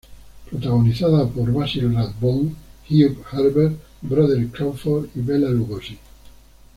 Protagonizada por Basil Rathbone, Hugh Herbert, Broderick Crawford y Bela Lugosi.